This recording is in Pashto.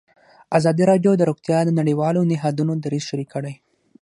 ازادي راډیو د روغتیا د نړیوالو نهادونو دریځ شریک کړی.